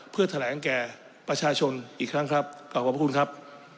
เพื่อแถลงแก่ประชาชนอีกครั้งครับกลับขอบพระคุณครับ